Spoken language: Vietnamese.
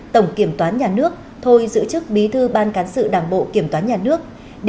tổng kiểm toán nhà nước thôi giữ chức bí thư ban cán sự đảng bộ kiểm toán nhà nước